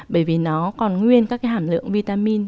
bởi vì nó còn nguyên các cái hẳn lượng vitamin